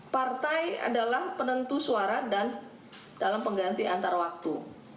partai adalah penentu suara dan dalam pengganti antarwaktu